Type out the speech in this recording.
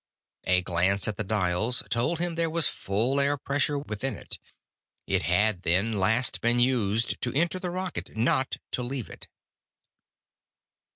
A glance at the dials told him there was full air pressure within it. It had, then, last been used to enter the rocket, not to leave it.